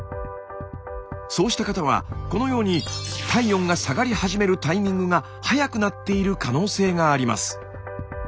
そうした方はこのように体温が下がり始めるタイミングが早くなっている可能性があります。